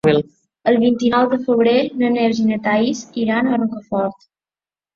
El vint-i-nou de febrer na Neus i na Thaís iran a Rocafort.